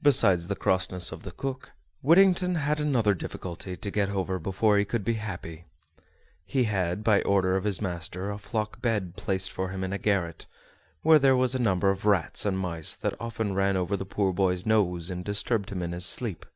Besides the crossness of the cook, Whittington had another difficulty to get over before he could be happy. He had, by order of his master, a flock bed placed for him in a garret, where there was a number of rats and mice that often ran over the poor boy's nose and disturbed him in his sleep.